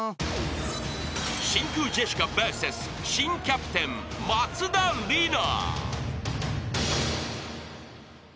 ［真空ジェシカＶＳ新キャプテン松田里奈］